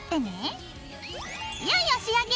いよいよ仕上げ！